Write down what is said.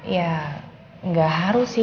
ya nggak harus sih